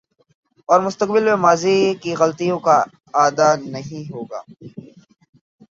اورمستقبل میں ماضی کی غلطیوں کا اعادہ نہیں ہو گا۔